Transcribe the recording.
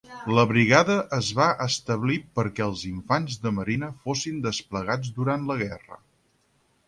La Brigada es va establir, perquè els infants de marina fossin desplegats durant la guerra.